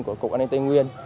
của cục an ninh tây nguyên